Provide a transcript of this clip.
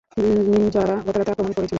নিন্জারা গতরাতে আক্রমণ করেছিল।